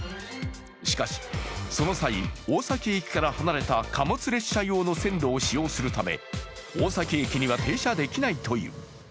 しかし、その際、大崎駅から離れた貨物列車用の線路を使用するため大崎駅には停車できないという。